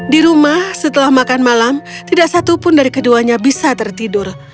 di rumah setelah makan malam tidak satupun dari keduanya bisa tertidur